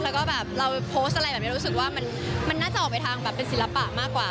เราก็แบบเราโพสต์อะไรมันน่าจะออกไปทางศิลปะมากกว่า